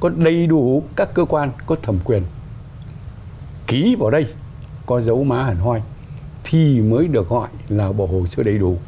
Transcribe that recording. có đầy đủ các cơ quan có thẩm quyền ký vào đây có dấu má hẳn hoi thì mới được gọi là bộ hồ sơ đầy đủ